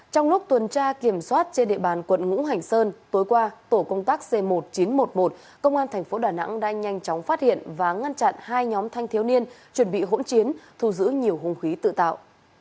trong lúc tuần tra kiểm soát trên địa bàn quận ngũ hành sơn tối qua tổ công tác c một nghìn chín trăm một mươi một công an tp đà nẵng đã nhanh chóng phát hiện và ngăn chặn hai nhóm thanh thiếu niên chuẩn bị hỗn chiến thu giữ nhiều hung khí tự tạo